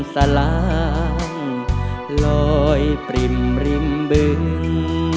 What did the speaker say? สลางลอยปริ่มริมบึง